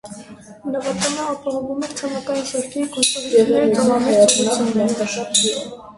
Նավատորմը ապահովում էր ցամաքային զորքերի գործողությունները ծովամերձ ուղղություններում։